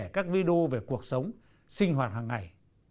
các video về cuộc sống sinh hoạt hằng ngày